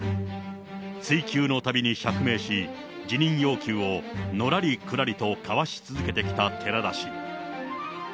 追及のたびに釈明し、辞任要求をのらりくらりとかわし続けてきた寺田氏。